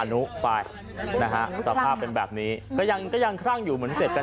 นุไปนะฮะสภาพเป็นแบบนี้ก็ยังก็ยังคลั่งอยู่เหมือนเสร็จกัน